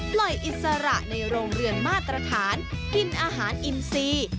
อิสระในโรงเรือนมาตรฐานกินอาหารอินซี